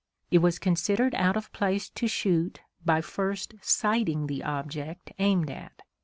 It was considered out of place to shoot by first sighting the object aimed at.